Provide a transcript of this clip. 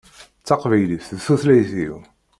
Taqbaylit d tutlayt-iw